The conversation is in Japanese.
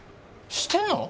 してんの！？